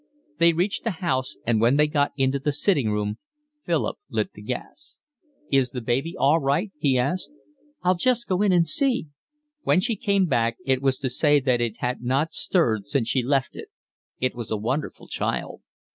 They reached the house, and when they got into the sitting room Philip lit the gas. "Is the baby all right?" he asked. "I'll just go in and see." When she came back it was to say that it had not stirred since she left it. It was a wonderful child.